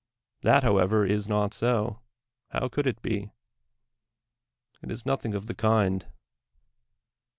That, however, is not so — how could it be ? It is nothing of the kind.